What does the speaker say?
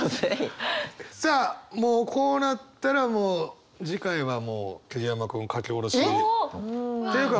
さあもうこうなったらもう次回はもう桐山君書き下ろし。っていうか